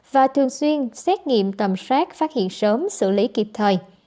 và thường xuyên xét nghiệm tầm soát phát hiện sớm xử lý kịp thời